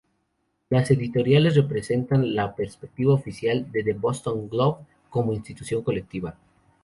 Las editoriales representan la perspectiva oficial de "The Boston Globe" como institución colectiva.